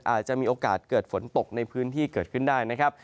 อาจจะมีโอกาสเกิดฝนตกในพื้นที่เกิดขึ้นได้นะครับ